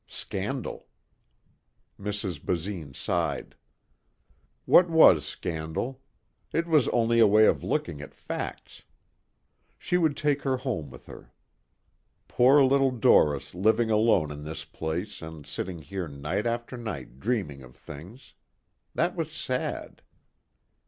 Scandal. Mrs. Basine sighed. What was scandal? It was only a way of looking at facts. She would take her home with her. Poor little Doris living alone in this place and sitting here night after night dreaming of things. That was sad.